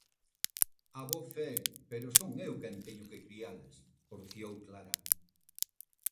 -Abofé, pero son eu quen teño que crialas -porfiou Clara-.